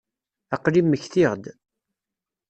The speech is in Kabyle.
Aql-i mmektiɣ-d.